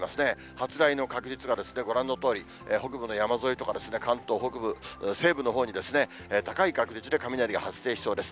発雷の確率がご覧のとおり、北部の山沿いとか、関東北部、西部のほうに、高い確率で雷が発生しそうです。